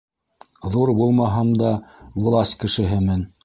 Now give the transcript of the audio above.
Ҙур булмаһам да, власть кешеһемен.